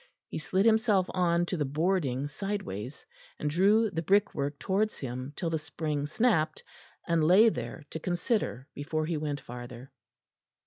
He slid himself on to the boarding sideways, and drew the brickwork towards him till the spring snapped, and lay there to consider before he went farther.